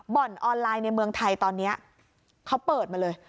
ออนไลน์ในเมืองไทยตอนนี้เขาเปิดมาเลย